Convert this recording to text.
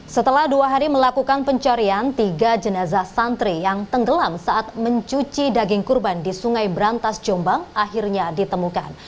setelah dua hari melakukan pencarian tiga jenazah santri yang tenggelam saat mencuci daging kurban di sungai berantas jombang akhirnya ditemukan